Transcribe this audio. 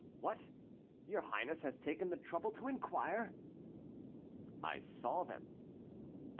"What! your highness has taken the trouble to inquire?" "I saw them."